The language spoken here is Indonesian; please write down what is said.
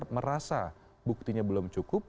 merasa buktinya belum cukup